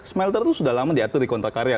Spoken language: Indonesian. smelter itu sudah lama diatur di kontrak karya